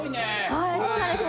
はいそうなんですよ